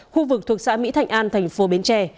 khu vực thuộc xã mỹ thạnh an thành phố bến tre